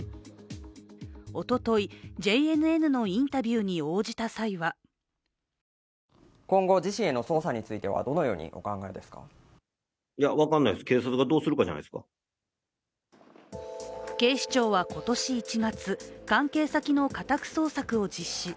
おととい、ＪＮＮのインタビューに応じた際には警視庁は今年１月、関係先の家宅捜索を実施。